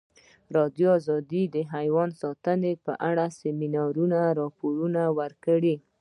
ازادي راډیو د حیوان ساتنه په اړه د سیمینارونو راپورونه ورکړي.